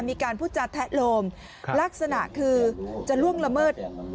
มีการพูดจาแทะโลมลักษณะคือจะล่วงละเมิด